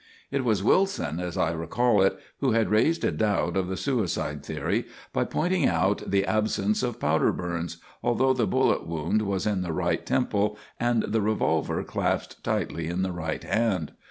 It was Wilson, as I recall it, who had raised a doubt of the suicide theory by pointing out the absence of powder burns, although the bullet wound was in the right temple and the revolver clasped tightly in the right hand.